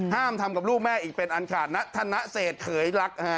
ทำกับลูกแม่อีกเป็นอันขาดธนเศษเขยรัก